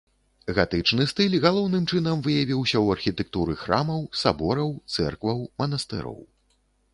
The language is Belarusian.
Гатычны стыль, галоўным чынам, выявіўся ў архітэктуры храмаў, сабораў, цэркваў, манастыроў.